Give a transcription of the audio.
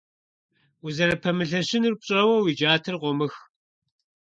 Узэрыпэмылъэщынур пщӀэуэ, уи джатэр къумых.